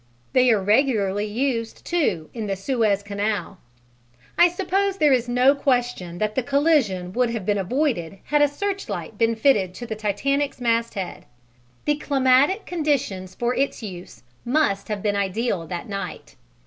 They are regularly used too in the Suez Canal. I suppose there is no question that the collision would have been avoided had a searchlight been fitted to the Titanic's masthead: the climatic conditions for its use must have been ideal that night.